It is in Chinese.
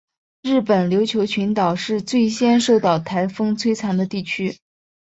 日本琉球群岛是最先受到台风摧残的地区。